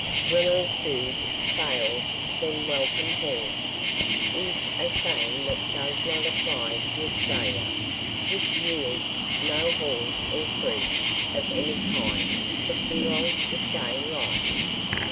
"When all food fails then welcome haws" is a saying that does not apply to Australia, which yields no haws or fruit of any kind that can long sustain life.